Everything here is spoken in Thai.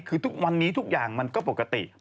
คือทุกวันนี้ทุกอย่างมันก็ปกติ